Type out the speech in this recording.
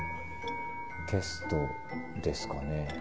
テストですかね。